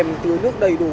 mình tưới nước đầy đủ